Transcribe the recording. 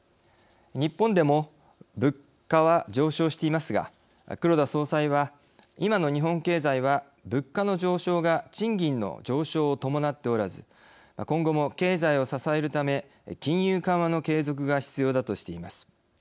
日本でも物価は上昇していますが黒田総裁は、今の日本経済は物価の上昇が賃金の上昇を伴っておらず今後も経済を支えるため金融緩和の継続が必要だとしています。